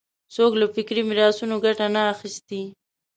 څوک له فکري میراثونو ګټه نه اخیستی